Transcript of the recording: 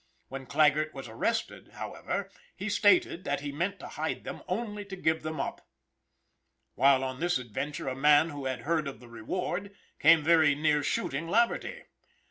When Claggert was arrested, however he stated that he meant to hide them only to give them up. While on this adventure, a man who had heard of the reward came very near shooting Laverty.